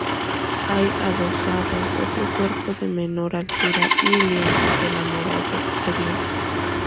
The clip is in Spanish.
Hay adosado otro cuerpo de menor altura y lienzos de la muralla exterior.